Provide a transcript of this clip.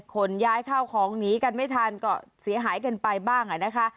ขนย้ายข้าวของหนีกันไม่ทันก็เสียหายกันไปบ้างนะคะ